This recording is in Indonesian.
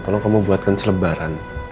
tolong kamu buatkan selebaran